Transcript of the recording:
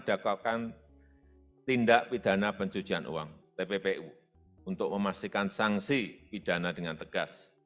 dakwakan tindak pidana pencucian uang tppu untuk memastikan sanksi pidana dengan tegas